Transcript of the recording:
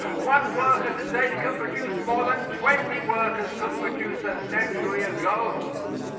One worker today can produce more than twenty workers could produce a century ago.